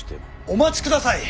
お待ちください。